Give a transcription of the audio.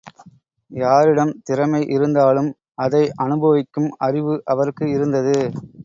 யாரிடம் திறமை இருந்தாலும் அதை அனுபவிக்கும் அறிவு அவருக்கு இருந்தது.